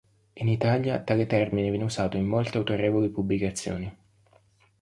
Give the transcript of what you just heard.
In Italia tale termine viene usato in molte autorevoli pubblicazioni.